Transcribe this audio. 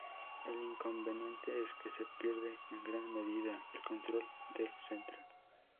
El inconveniente es que se pierde, en gran medida, el control del centro.